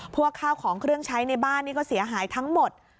พวกข้าวของเครื่องใช้ในบ้านนี่ก็เสียหายทั้งหมด